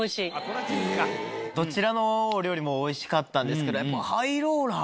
どちらのお料理もおいしかったんですけどやっぱハイローラー！